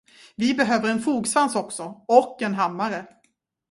Vi behöver en fogsvans också, och en hammare.